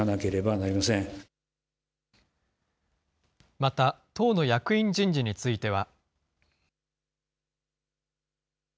また、党の役員人事については。